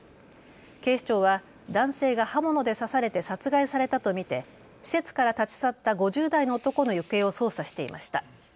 警視庁は男性が刃物で刺されて殺害されたと見て施設から立ち去った５０代の男の行方を捜査していました。